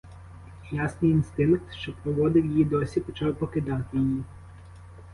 Ясний інстинкт, що проводив її досі, почав покидати її.